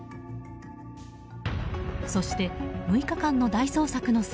そして、６日間の大捜索の末